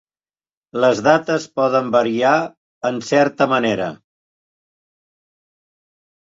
Les dates poden varia en certa manera.